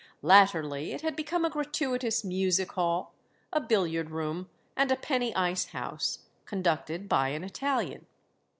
Latterly it had become a gratuitous music hall, a billiard room, and a penny ice house, conducted by an Italian.